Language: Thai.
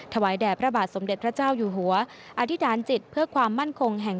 ถวายแด่พระบราชสมเด็จพระเจ้าอยู่หัวอธิศสิ๊ตอธิศิติ์เพื่อความมั่นคง